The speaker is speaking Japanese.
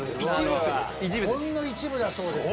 ほんの一部だそうです。